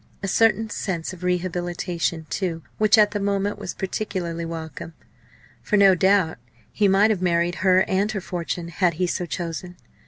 A certain sense of re habilitation, too, which at the moment was particularly welcome. For, no doubt, he might have married her and her fortune had he so chosen.